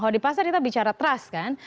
kalau di pasar kita bicara trust kan